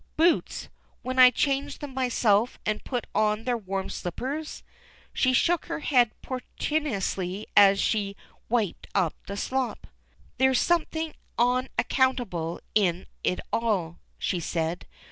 Boots ! when I changed them myself and put on their warm slippers !" She shook her head portentously as she wiped up the slop. There's something o?2accountable in it all/' she said.